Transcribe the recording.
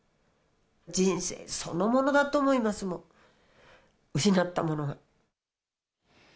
人生そのものだと思います、もう、失ったものは。